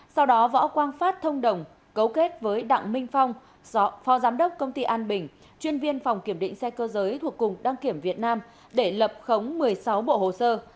sau đó võ quang phát thông đồng cấu kết với đặng minh phong phó giám đốc công ty an bình chuyên viên phòng kiểm định xe cơ giới thuộc cục đăng kiểm việt nam để lập khống một mươi sáu bộ hồ sơ